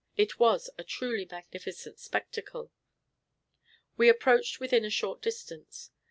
It was truly a magnificent spectacle. We approached within a short distance.